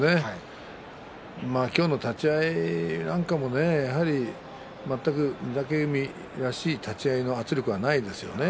今日の立ち合いなんかも全く御嶽海らしい立ち合いの圧力がないですよね。